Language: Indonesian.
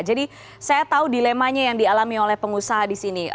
jadi saya tahu dilemanya yang dialami oleh pengusaha di sini